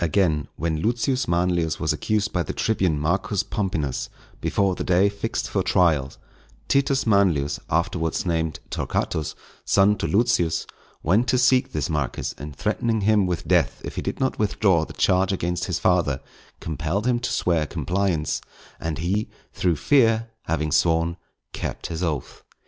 Again, when Lucius Manlius was accused by the tribune Marcus Pomponius, before the day fixed for trial, Titus Manlius, afterwards named Torquatus, son to Lucius, went to seek this Marcus, and threatening him with death if he did not withdraw the charge against his father, compelled him to swear compliance; and he, through fear, having sworn, kept his oath.